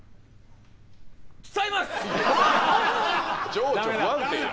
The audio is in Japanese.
情緒不安定。